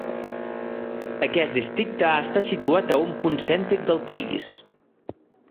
Aquest districte està situat a un punt cèntric del país.